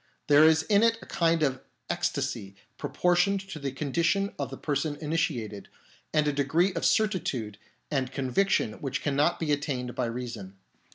There is in it a kind of ecstasy proportioned to the con dition of the person initiated, and a degree of certitude and conviction which cannot be at tained by reason.